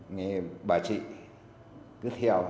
nghe bà chị cứ theo